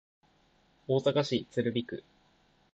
大阪市鶴見区